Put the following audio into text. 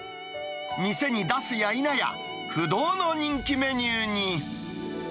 店に出すやいなや、不動の人気メニューに。